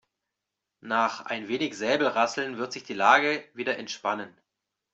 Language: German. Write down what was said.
Nach ein wenig Säbelrasseln wird sich die Lage wieder entspannen.